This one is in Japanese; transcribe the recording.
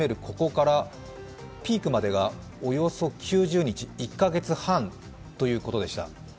ここからピークまでがおよそ９０日、１カ月半ということでした。